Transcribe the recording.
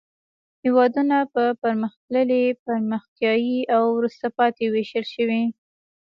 هېوادونه په پرمختللي، پرمختیایي او وروسته پاتې ویشل شوي.